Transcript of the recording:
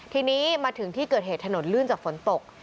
ทีนี้มาถึงที่เกิดเหตุถนนลื่นจากฝนตก